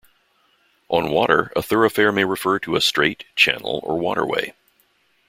On water a thoroughfare may refer to a strait, channel or waterway.